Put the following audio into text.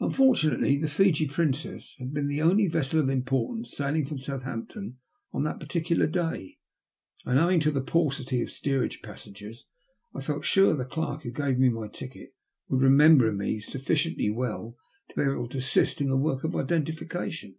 Unfortunately, the Fiji Princess had been the only vessel of importance sailing from Southampton on that particular day, and owing to the paucity of steerage passengers, I felt sure the clerk who gave me my ticket would remember me sufficiently well to be able to assist in the work of identification.